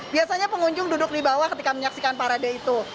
biasanya pengunjung duduk di bawah ketika menyaksikan parade itu